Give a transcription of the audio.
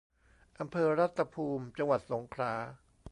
อำเภอรัตภูมิ จังหวัดสงขลา